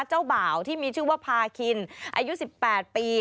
เจ้าบ่าวที่มีชื่อว่าพาคินอายุ๑๘ปี